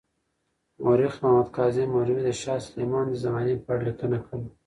مورخ محمد کاظم مروي د شاه سلیمان د زمانې په اړه لیکنه کړې.